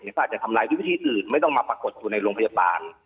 เขาอาจจะทำลายด้วยวิธีอื่นไม่ต้องมาปรากฏอยู่ในโรงพยาบาล